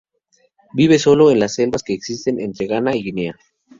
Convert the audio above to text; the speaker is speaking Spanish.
Vive sólo en las selvas que existen entre Ghana y Guinea.